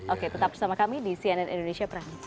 oke tetap bersama kami di cnn indonesia prime news